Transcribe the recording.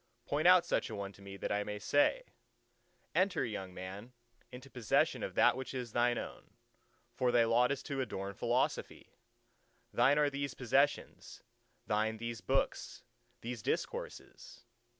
Point out such a one to me, that I may say, "Enter, young man, into possession of that which is thine own. For thy lot is to adorn Philosophy. Thine are these possessions; thine these books, these discourses!"